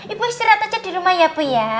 ibu istirahat aja di rumah ya bu ya